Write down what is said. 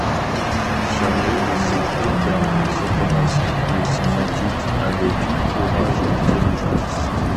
Chargé de ces deux dernières opérations, il s'en acquitte avec courage et intelligence.